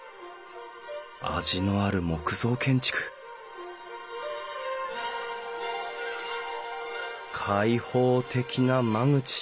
味のある木造建築開放的な間口。